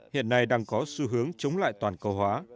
hiện nay đang có xu hướng chống lại toàn cầu hóa